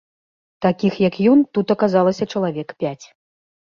Такіх, як ён, тут аказалася чалавек пяць.